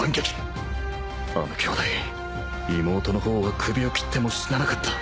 あのきょうだい妹の方は首を斬っても死ななかった